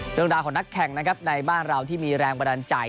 เรื่องราวของนักแข่งนะครับในบ้านเราที่มีแรงบันดาลใจ